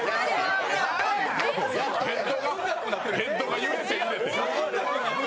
ヘッドが揺れて揺れて。